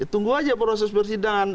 tunggu saja proses persidangan